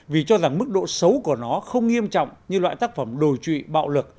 vì cho rằng mức độ xấu của nó không nghiêm trọng như loại tác phẩm đồi trụy bạo lực